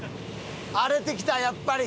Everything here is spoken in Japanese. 荒れてきたやっぱり。